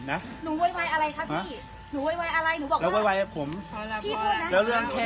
ค่ะป้าหนูไม่มีอะไรหนูมาจากกรุงเทพฯ